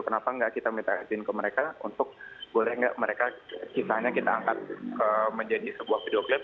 kenapa nggak kita minta izin ke mereka untuk boleh nggak mereka kisahnya kita angkat menjadi sebuah video black